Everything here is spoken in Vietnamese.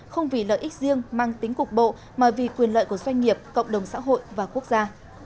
không vì lợi ích riêng mang tính cục bộ mà vì quyền lợi của doanh nghiệp cộng đồng xã hội và quốc gia